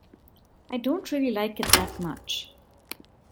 I don't really like it that much.